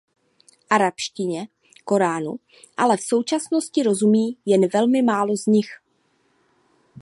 Arabštině koránu ale ve skutečnosti rozumí jen velmi málo z nich.